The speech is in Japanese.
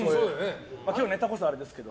今日ネタこそあれですけど。